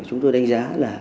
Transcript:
chúng tôi đánh giá là